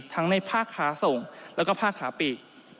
ทั้งในภาคค้าส่งและภาคข้าปีก